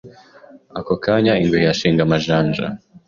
Ako kanya ingwe ihashinga amajanja